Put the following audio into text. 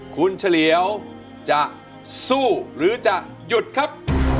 คุณเฉลียวจะสู้หรือจะหยุดครับ